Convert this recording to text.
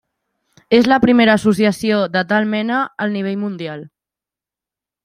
És la primera associació de tal mena al nivell mundial.